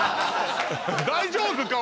大丈夫か？